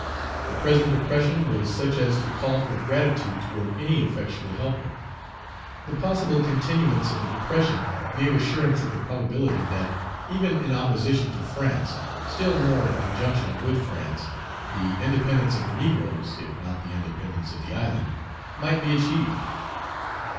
The present depression was such as to call for gratitude toward any effectual helper. The possible continuance of the depression gave assurance of the probability that, even in opposition to France, still more in conjunction with France, the independence of the negroes if not the independence of the island might be achieved.